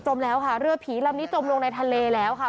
แล้วค่ะเรือผีลำนี้จมลงในทะเลแล้วค่ะ